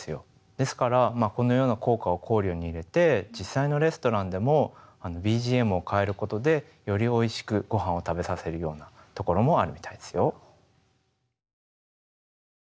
ですからこのような効果を考慮に入れて実際のレストランでもＢＧＭを変えることでよりおいしくごはんを食べさせるような所もあるみたいですよ。